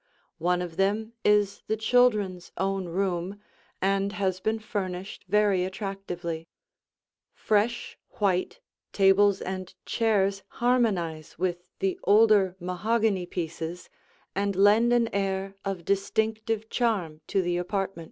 One of them is the children's own room and has been furnished very attractively; fresh white tables and chairs harmonize with the older mahogany pieces and lend an air of distinctive charm to the apartment.